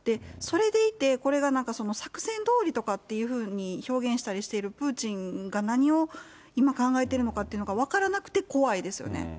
それでいて、これが作戦どおりとかっていうふうに表現したりしているプーチンが何を今考えているのかっていうのが分からなくて怖いですよね。